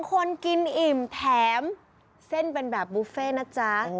คนกินอิ่มแถมเส้นเป็นแบบบุฟเฟ่นะจ๊ะ